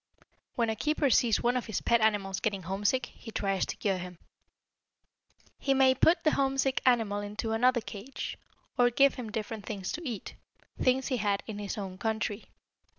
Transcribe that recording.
When a keeper sees one of his pet animals getting homesick, he tries to cure him. He may put the homesick animal into another cage, or give him different things to eat things he had in his own country.